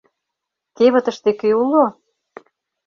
Кевытыште кӧ уло?